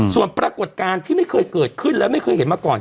ส่วนปรากฏการณ์ที่ไม่เคยเกิดขึ้นและไม่เคยเห็นมาก่อน